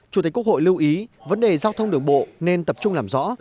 chủ tịch quốc hội lưu ý vấn đề giao thông đường bộ nên tập trung làm rõ